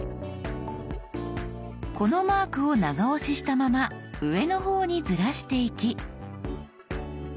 このマークを長押ししたまま上の方にずらしていき。